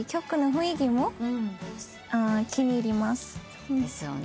そうですよね。